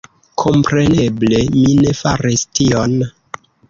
Kompreneble, mi ne faris tion